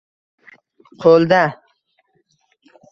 Qo’lda —